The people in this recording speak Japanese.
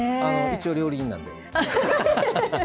一応、料理人なんでね。